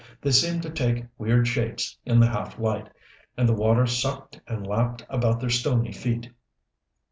They seemed to take weird shapes in the half light, and the water sucked and lapped about their stony feet.